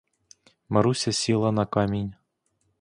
Маруся сіла на камінь.